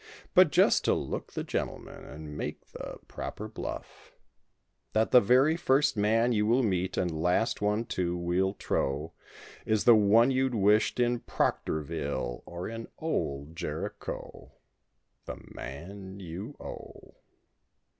But just to look the gentleman and make the proper bluff— That the very first man you will meet, and last one too, we'll trow, Is the one you'd wished in Proctorville or in old Jericho— The man you owe?